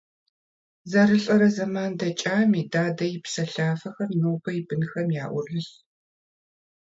ЗэрылӀэрэ зэман дэкӀами, дадэ и псэлъафэхэр нобэми и бынхэм яӀурылъщ.